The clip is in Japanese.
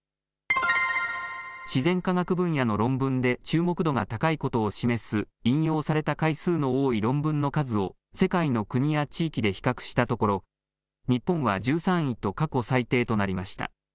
自然科学分野の論文で注目度が高いことを示す、引用された回数の多い論文の数を、世界の国や地域で比較したところ、日本は１３位と過去最低となりました。